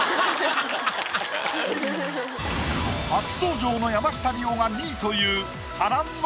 初登場の山下リオが２位という。